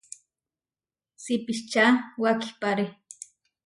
Sipiča wakipáre.